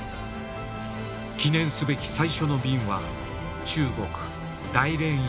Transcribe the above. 記念すべき最初の便は中国・大連行き。